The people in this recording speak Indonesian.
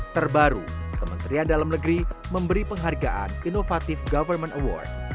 terbaru kementerian dalam negeri memberi penghargaan inovatif government award